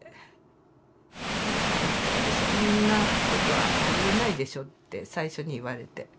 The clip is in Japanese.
そんなことはありえないでしょって最初に言われて。